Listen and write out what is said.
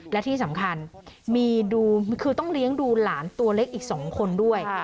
และที่สำคัญคือต้องเลี้ยงดูหลานตัวเล็กอีก๒คนด้วย